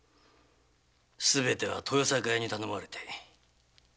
すべては豊栄屋に頼まれて。